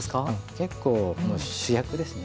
結構主役ですね